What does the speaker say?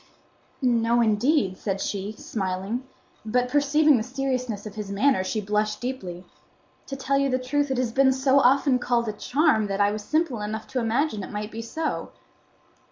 "No, indeed," said she, smiling; but perceiving the seriousness of his manner, she blushed deeply. "To tell you the truth it has been so often called a charm that I was simple enough to imagine it might be so."